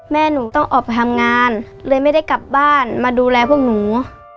แม่หนูต้องออกไปทำงานเลยไม่ได้กลับบ้านมาดูแลพวกหนู